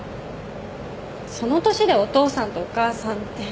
その年で「お父さんとお母さん」って。